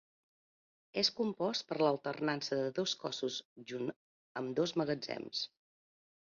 És compost per l'alternança de dos cossos junt amb dos magatzems.